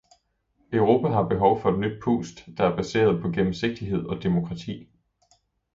Europa har behov for et nyt pust, der er baseret på gennemsigtighed og demokrati.